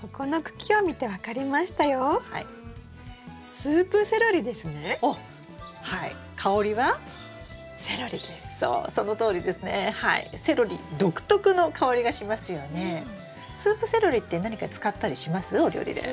スープセロリって何か使ったりします？